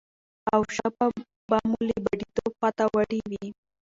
او ژبه به مو لا د بډايتوب خواته وړي وي.